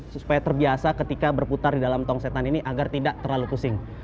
supaya terbiasa ketika berputar di dalam tong setan ini agar tidak terlalu pusing